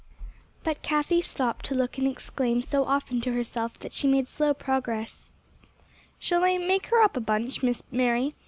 But Cathie stopped to look and exclaim so often to herself that she made slow progress. "Shall I make her up a bunch, Miss Mary?"